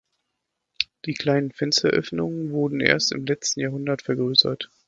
Die kleinen Fensteröffnungen wurden erst im letzten Jahrhundert vergrößert.